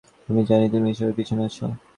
আমি জানি তুমি এসবের পেছনে আছো।